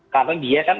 karena dia kan